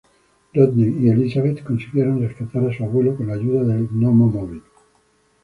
Rodney y Elisabeth consiguieron rescatar a su abuelo con la ayuda del "Gnomo-móvil".